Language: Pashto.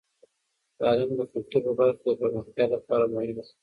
تعلیم د کلتور په برخه کې د پرمختیا لپاره مهم دی.